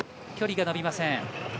距離が伸びません。